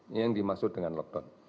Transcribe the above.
ini yang dimaksud dengan lockdown